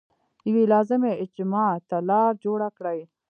یوې لازمي اجماع ته لار جوړه کړي.